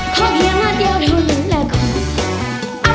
ขอเพียงมาเดียวเท่านั้นละคุณ